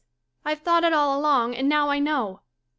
I've thought it all along, and now I know.